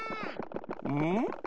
うん？